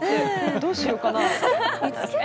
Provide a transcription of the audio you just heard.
どうしようかな。